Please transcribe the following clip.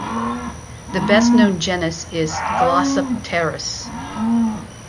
The best known genus is "Glossopteris".